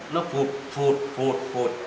nó phụt phụt phụt phụt